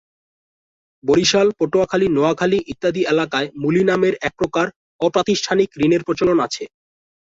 বরিশাল, পটুয়াখালী, নোয়াখালী ইত্যাদি এলাকায় মূলী নামের একপ্রকার অপ্রাতিষ্ঠানিক ঋণের প্রচলন আছে।